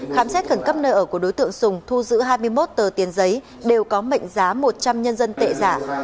khám xét khẩn cấp nơi ở của đối tượng sùng thu giữ hai mươi một tờ tiền giấy đều có mệnh giá một trăm linh nhân dân tệ giả